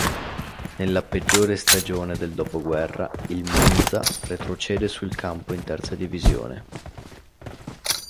Nella peggiore stagione del dopoguerra il Monza retrocede sul campo in Terza Divisione.